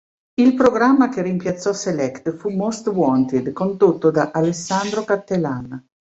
Il programma che rimpiazzò "Select" fu "Most Wanted", condotto da Alessandro Cattelan.